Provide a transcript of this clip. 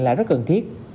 là rất cần thiết